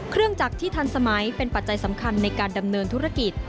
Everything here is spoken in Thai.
เครื่องจักรที่ทันสมัยเป็นปัจจัยสำคัญในการดำเนินธุรกิจ